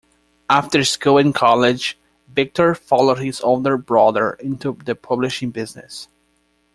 After school and college, Victor followed his older brother into the publishing business.